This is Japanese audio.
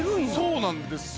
そうなんですよ。